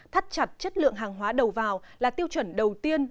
thắt chặt chất lượng hàng hóa đầu vào là tiêu chuẩn đầu tiên